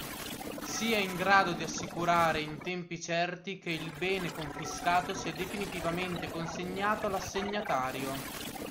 Sia in grado di assicurare in tempi certi che il bene confiscato sia definitivamente consegnato all’assegnatario.